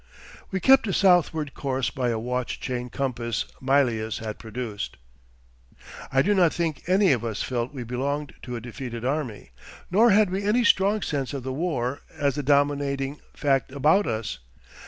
We kept a southward course by a watch chain compass Mylius had produced.... 'I do not think any of us felt we belonged to a defeated army, nor had we any strong sense of the war as the dominating fact about us.